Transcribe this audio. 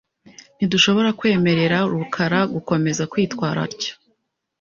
Ntidushobora kwemerera rukara gukomeza kwitwara atyo .